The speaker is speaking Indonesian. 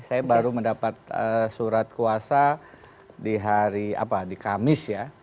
saya baru mendapat surat kuasa di hari apa di kamis ya